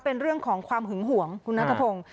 เป็นเรื่องของความหึงหวงคุณนัทพงศ์